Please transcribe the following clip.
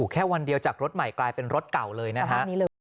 แค่วันเดียวจากรถใหม่กลายเป็นรถเก่าเลยนะฮะ